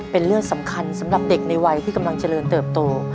เป็นเรื่องสำคัญสำหรับเด็กในวัยที่กำลังเจริญเติบโต